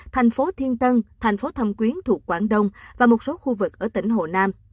thành phố thiên tân thành phố thâm quyến thuộc quảng đông và một số khu vực ở tỉnh hồ nam